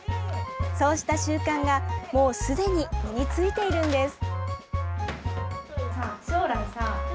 そうした習慣がもうすでに身についているんです。